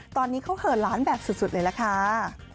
ตอนนี้เขาเหินล้านแบบสุดเลยล่ะค่ะ